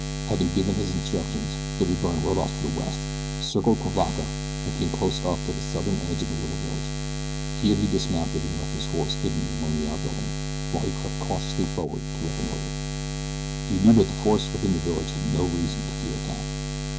Having given his instructions Billy Byrne rode off to the west, circled Cuivaca and came close up upon the southern edge of the little village. Here he dismounted and left his horse hidden behind an outbuilding, while he crept cautiously forward to reconnoiter. He knew that the force within the village had no reason to fear attack.